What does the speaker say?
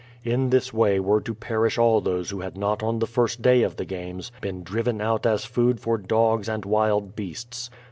In this way were to perish all those who had not on the first day of the games been driven out as food for dogs and wild beasts.